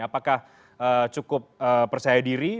apakah cukup percaya diri